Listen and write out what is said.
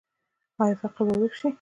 آیا فقر به ورک شي؟